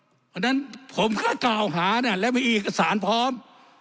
เพราะฉะนั้นผมก็กล่าวหาแล้วมีเอกสารพร้อม